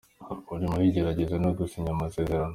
Biri muri igerageza no gusinya amasezerano.